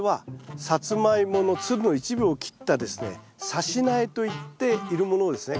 さし苗といっているものをですね